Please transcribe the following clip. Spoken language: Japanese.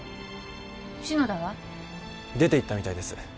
篠田は？出ていったみたいです。